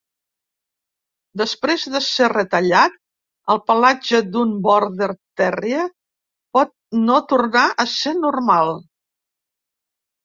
Després de ser retallat, el pelatge d'un Border terrier pot no tornar a ser normal.